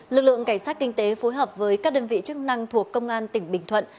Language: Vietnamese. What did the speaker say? lực lượng cảnh sát kinh tế phối hợp với các đơn vị chức năng thuộc công an tỉnh bình thuận